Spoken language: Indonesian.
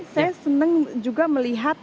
saya seneng juga melihat